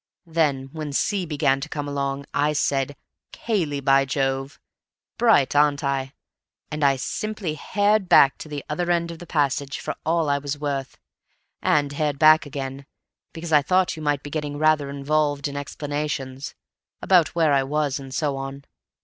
Then when C began to come along I said, 'Cayley, b'Jove'—bright, aren't I?—and I simply hared to the other end of the passage for all I was worth. And hared back again. Because I thought you might be getting rather involved in explanations—about where I was, and so on."